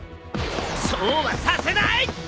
そうはさせない！